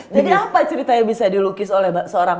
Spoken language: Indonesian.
jadi apa cerita yang bisa dilukis oleh seorang